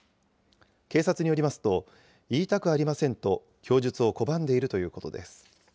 警察によりますと、言いたくありませんと供述を拒んでいるということです。